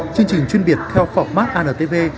chương trình chuyên biệt theo phỏng mát antv